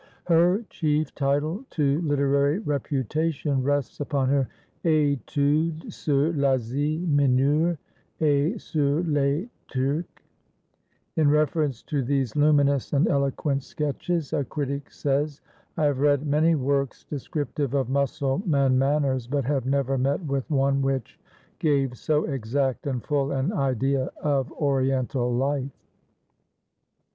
Her chief title to literary reputation rests upon her "Études sur l'Asie Mineure et sur les Turcs." In reference to these luminous and eloquent sketches, a critic says: "I have read many works descriptive of Mussulman manners, but have never met with one which gave so exact and full an idea of Oriental life."